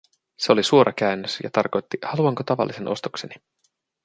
Se oli suora käännös ja tarkoitti, haluanko tavallisen ostokseni.